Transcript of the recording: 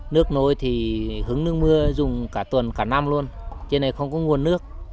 nước nuôi thì hứng nước mưa dùng cả tuần cả năm luôn trên này không có nguồn nước